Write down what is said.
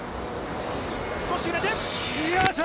少し揺れて。